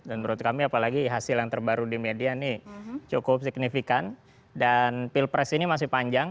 dan menurut kami apalagi hasil yang terbaru di media ini cukup signifikan dan pil pres ini masih panjang